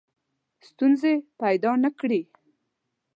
ستونزې پیدا نه کړي.